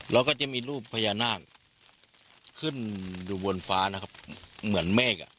แล้วก็จะมีรูปพญานาคขึ้นอยู่บนฟ้านะครับเหมือนเมฆอ่ะ